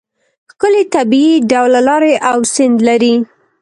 ښکلې طبیعي ډوله لارې او سیند لري.